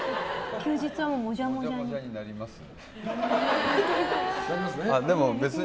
休日はもじゃもじゃに。